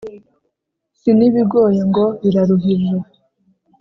Si n'ibigoye ngo biraruhije.